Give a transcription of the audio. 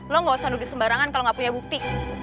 lo gak usah duduk sembarangan kalo gak punya bukti